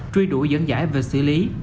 truy đuổi dẫn giải về xử lý